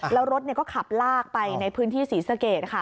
แล้วรถก็ขับลากไปในพื้นที่ศรีสเกต